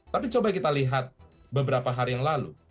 tapi coba kita lihat beberapa hari yang lalu